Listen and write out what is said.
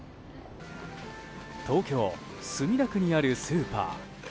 東京・墨田区にあるスーパー。